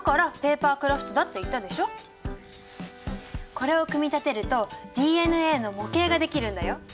これを組み立てるとＤＮＡの模型ができるんだよ。